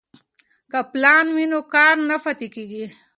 که پلان وي نو کار نه پاتې کیږي.